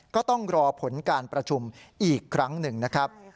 ก็ต้องรอผลการประชุมอีกครั้งหนึ่งนะครับ